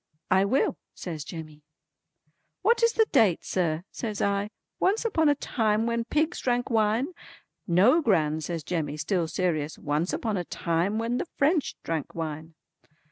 "I will" says Jemmy. "What is the date sir?" says I. "Once upon a time when pigs drank wine?" "No Gran," says Jemmy, still serious; "once upon a time when the French drank wine."